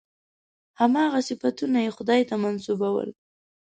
هماغه صفتونه یې خدای ته منسوبول.